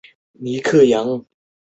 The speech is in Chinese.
象形茧只能适用于法老。